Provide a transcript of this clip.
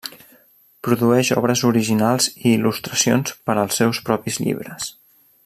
Produeix obres originals i il·lustracions per als seus propis llibres.